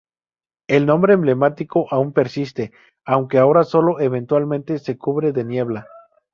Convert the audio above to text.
El nombre emblemático aún persiste, aunque ahora sólo eventualmente se cubre de neblina.